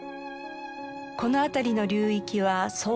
この辺りの流域は漕艇